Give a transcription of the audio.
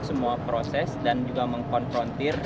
semua proses dan juga mengkonfrontir